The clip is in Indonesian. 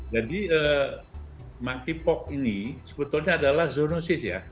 jadi monkeypox ini sebetulnya adalah zoonosis ya